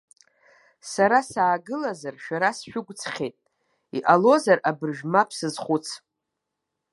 Сара саагылазар шәара сшәықәыӡхьеит, иҟалозар абыржәы ма бсызхәыц.